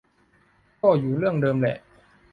ก็อยู่เรื่องเดิมแหละ